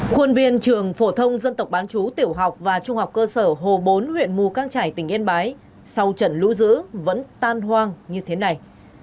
khuôn viên trường phổ thông dân tộc bán chú tiểu học và trung học cơ sở hồ bốn huyện mù căng trải tỉnh yên bái sau trận lũ dữ vẫn tan hoang như thế này